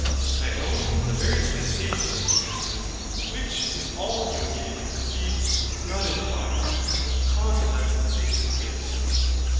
I own the very SENSATION of resistance, which is all you immediately perceive, is not in the body; but the CAUSE of that sensation is.